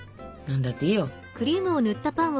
何だっていいよ。